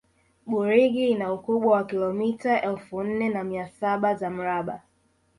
burigi ina ukubwa wa kilomita elfu nne na mia saba za mraba